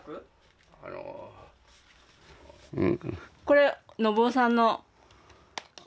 これ信雄さんの。